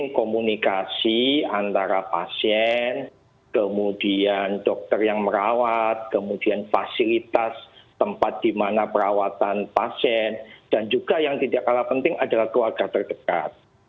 kemudian komunikasi antara pasien kemudian dokter yang merawat kemudian fasilitas tempat di mana perawatan pasien dan juga yang tidak kalah penting adalah keluarga terdekat